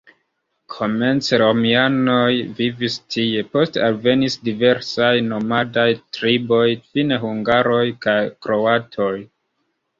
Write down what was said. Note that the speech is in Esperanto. Komence romianoj vivis tie, poste alvenis diversaj nomadaj triboj, fine hungaroj kaj kroatoj.